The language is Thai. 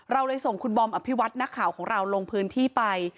เราเลยส่งคุณบอมอภิวัตนักข่าวของเราลงพื้นที่ไป